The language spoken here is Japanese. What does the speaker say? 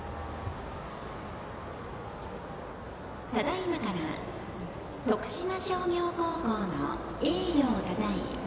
ただいまから徳島商業高校の栄誉をたたえ